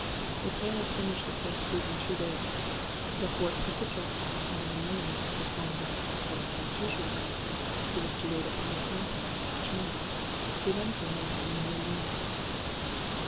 The tailor finished the first suit in two days. Le Fort put the dress on, and in the morning, at the time when, according to his usual custom, he was to wait upon the emperor in his chamber, he went in wearing the new uniform.